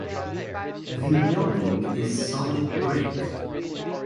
The building is solid brick.